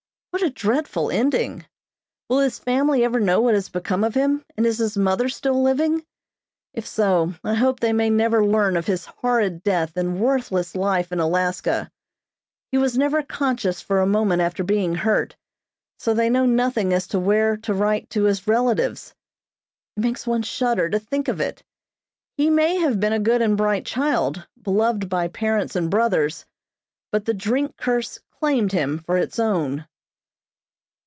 What a dreadful ending! Will his family ever know what has become of him, and is his mother still living? If so, I hope they may never learn of his horrid death and worthless life in Alaska. He was never conscious for a moment after being hurt, so they know nothing as to where to write to his relatives. It makes one shudder to think of it! He may have been a good and bright child, beloved by parents and brothers, but the drink curse claimed him for its own.